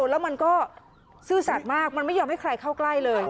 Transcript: แล้วมันก็ซื่อสัตว์มากมันไม่ยอมให้ใครเข้าใกล้เลย